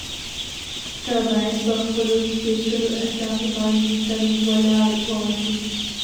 ته باید په خپلو سپېڅلو اهدافو باندې تل ولاړ واوسې.